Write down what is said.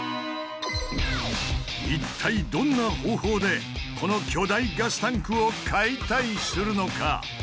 一体どんな方法でこの巨大ガスタンクを解体するのか？